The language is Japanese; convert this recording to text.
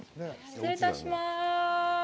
失礼いたします。